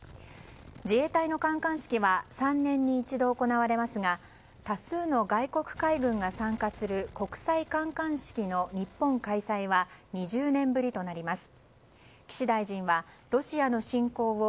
自衛隊の観艦式は３年に一度行われますが多数の外国海軍が参加する国際観艦式の日本開催は２０年ぶりとなります。